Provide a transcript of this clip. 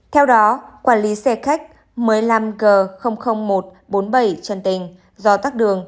theo đó quản lý xe khách một mươi năm g một trăm bốn mươi bảy trần tình do tắc đường